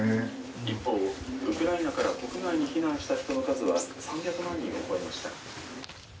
「一方ウクライナから国外に避難した人の数は３００万人を超えました」。